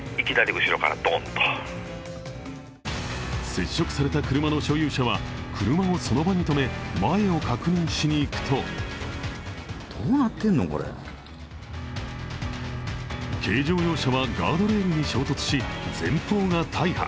接触された車の所有者は車をその場に止め前を確認しに行くと軽乗用車はガードレールに衝突し、前方が大破。